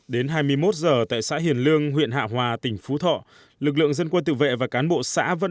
đến hai mươi một giờ tại xã hiền lương huyện hạ hòa tỉnh phú thọ lực lượng dân quân tự vệ và cán bộ xã vẫn